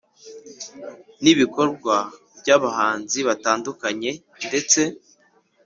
n’ibikorwa by’abahanzi batandukanye ndetse